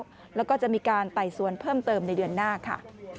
แล้วก็จะมีการไต่สวนเพิ่มเติมในเดือนหน้าค่ะ